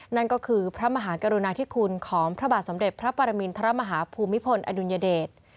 นั่นก็คือพระมหากรุณาธิคุณของพระบาทสมเด็จพระปรมินทรมาฮาภูมิพลอดุลยเดช